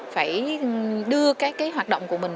phải đưa các cái hoạt động của mình